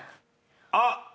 あっ！